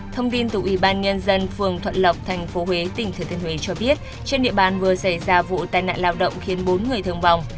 thông tin từ ủy ban nhân dân phường thuận lộc tp huế tỉnh thừa thiên huế cho biết trên địa bàn vừa xảy ra vụ tai nạn lao động khiến bốn người thương vong